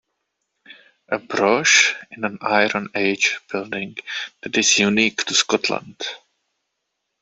A broch is an Iron Age building that is unique to Scotland.